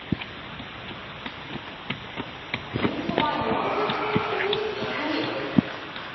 ピンそば４０センチにぴたり。